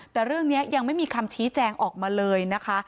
แต่เรื่องนี้ยังไม่มีคำชี้แจงออกมาเลยนะคะ